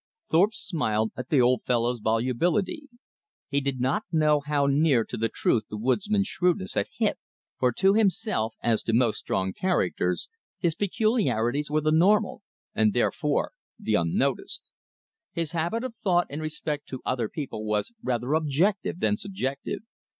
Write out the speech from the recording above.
Thorpe smiled at the old fellow's volubility. He did not know how near to the truth the woodsman's shrewdness had hit; for to himself, as to most strong characters, his peculiarities were the normal, and therefore the unnoticed. His habit of thought in respect to other people was rather objective than subjective.